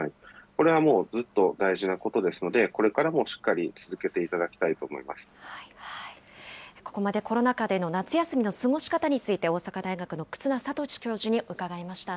これはもうずっと大事なことですので、これからもしっかり続けてここまで、コロナ禍での夏休みの過ごし方について、大阪大学の忽那賢志教授に伺いました。